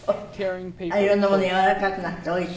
色んなものやわらかくなっておいしい？